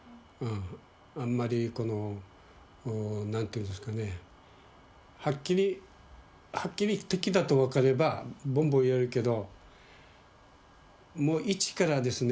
あんまりこの何ていうんですかねはっきりはっきり敵だと分かればぼんぼんやるけどもう一からですね